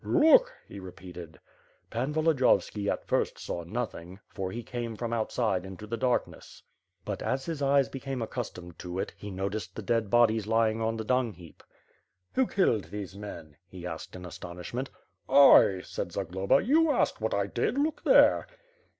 "Look,^ he repeated. Pan Volodiyovski, at first, saw nothing, for he came from outside into the darkness; but, as his eyes became accustomed to it, he noticed the dead bodies lying on the dung heap. "Who killed these men?" he asked in astonishment. "I," said Zagloba, "you asked what I did, look there."